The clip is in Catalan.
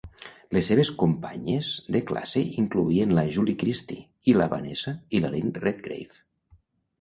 Les seves companyes de classe incloïen la Julie Christie i la Vanessa i la Lynn Redgrave.